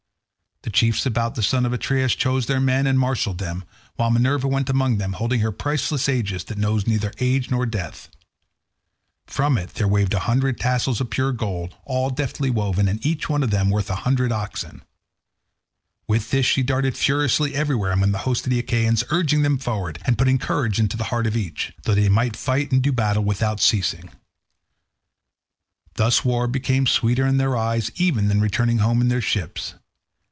The chiefs about the son of Atreus chose their men and marshalled them, while Minerva went among them holding her priceless aegis that knows neither age nor death. From it there waved a hundred tassels of pure gold, all deftly woven, and each one of them worth a hundred oxen. With this she darted furiously everywhere among the hosts of the Achaeans, urging them forward, and putting courage into the heart of each, so that he might fight and do battle without ceasing. Thus war became sweeter in their eyes even than returning home in their ships.